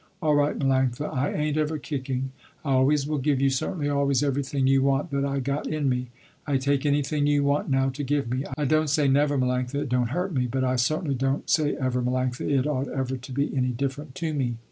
"All right Melanctha I ain't ever kicking. I always will give you certainly always everything you want that I got in me. I take anything you want now to give me. I don't say never Melanctha it don't hurt me, but I certainly don't say ever Melanctha it ought ever to be any different to me."